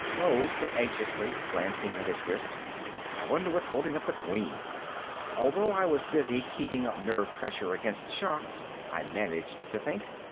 Beau said anxiously, glancing at his wrist, "I wonder what's holding up the Queen?" Although I was busy keeping up nerve pressure against the shocks, I managed to think.